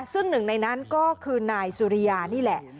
ซึ่งหนึ่งในนั้นก็คือนายสุริยานี่แหละ